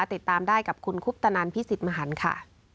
ติดตามได้กับคุณคุปตนันพิสิทธิ์มหันค่ะ